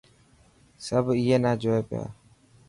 سڀ اي نا جوئي پيا.